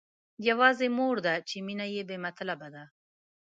يوازې مور ده چې مينه يې بې مطلبه ده.